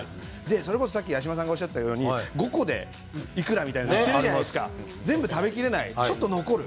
それこそ、さっき八嶋さんがおっしゃっていたように５個でいくらみたいなものもありますから全部食べきれないちょっと残る。